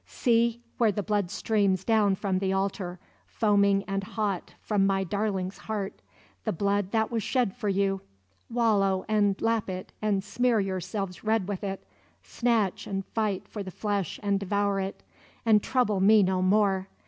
See where the blood streams down from the altar, foaming and hot from my darling's heart the blood that was shed for you! Wallow and lap it and smear yourselves red with it! Snatch and fight for the flesh and devour it and trouble me no more!